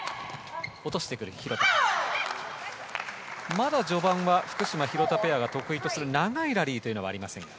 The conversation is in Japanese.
まだ序盤は福島、廣田ペアが得意とする長いラリーはありません。